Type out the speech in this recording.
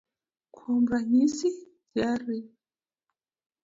Kuom ranyisi, jari